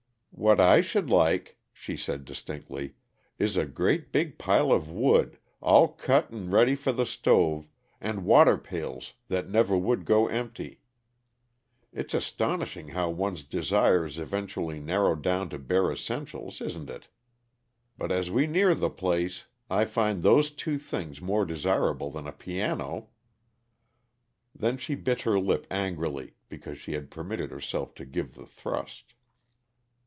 "What I should like," she said distinctly, "is a great, big pile of wood, all cut and ready for the stove, and water pails that never would go empty. It's astonishing how one's desires eventually narrow down to bare essentials, isn't it? But as we near the place, I find those two things more desirable than a piano!" Then she bit her lip angrily because she had permitted herself to give the thrust.